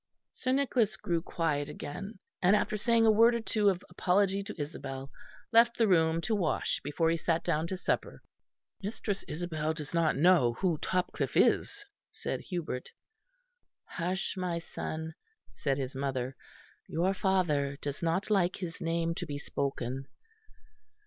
Sir Nicholas grew quiet again; and after a saying a word or two of apology to Isabel, left the room to wash before he sat down to supper. "Mistress Isabel does not know who Topcliffe is," said Hubert. "Hush, my son," said his mother, "your father does not like his name to be spoken."